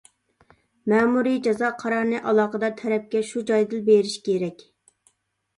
مەمۇرىي جازا قارارىنى ئالاقىدار تەرەپكە شۇ جايدىلا بېرىش كېرەك.